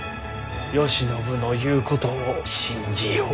慶喜の言うことを信じよう。